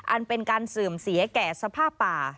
อันเป็นการเสื่อมเสียแก่สภาพป่า